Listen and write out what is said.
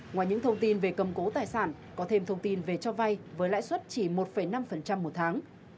ngoài những thông tin về cầm cố tài sản có thêm thông tin về cho vay với lãi suất chỉ một năm một tháng